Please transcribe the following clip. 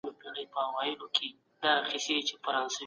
د رڼا او برېښنا نشتوالی د پرمختګ مخه نیسي.